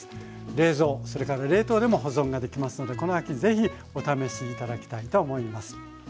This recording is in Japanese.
冷蔵それから冷凍でも保存ができますのでこの秋ぜひお試し頂きたいと思います。